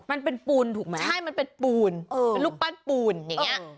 มันเป็นปูนถูกไหมใช่มันเป็นปูนเป็นรูปปั้นปูนอย่างเงี้ย